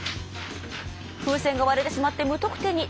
風船が割れてしまって無得点に。